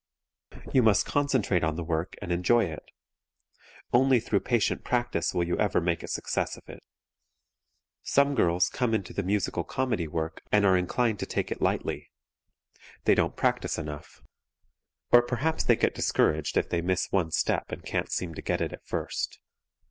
You must concentrate on the work and enjoy it. Only through patient practice will you ever make a success of it. Some girls come into the musical comedy work and are inclined to take it lightly. They don't practice enough. Or perhaps they get discouraged if they miss one step and can't seem to get it at first.